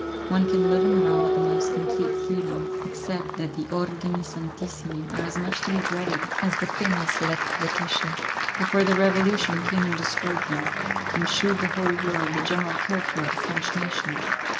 One can live in Rome with the most complete freedom, except that the 'ordini santissimi' are as much to be dreaded as the famous Lettres de cachet before the Revolution came and destroyed them, and shewed the whole world the general character of the French nation.